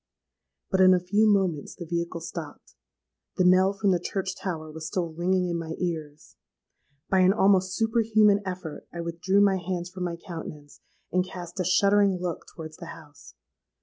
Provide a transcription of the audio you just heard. "But in a few moments the vehicle stopped. The knell from the church tower was still ringing in my ears: by an almost superhuman effort I withdrew my hands from my countenance, and cast a shuddering look towards the house.